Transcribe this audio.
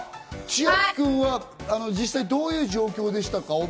智秋くんは実際どういう状況でしたか？